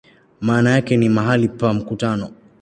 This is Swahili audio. Maana yake ni "mahali pa mkutano".